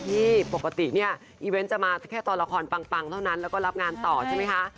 ปกติเนี่ยอีเวนต์จะมาแค่ตอนละครปังเท่านั้นแล้วก็รับงานต่อใช่ไหมคะ